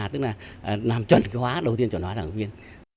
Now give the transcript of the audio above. tức là làm chuẩn cái hóa đầu tiên chuẩn hóa giảng viên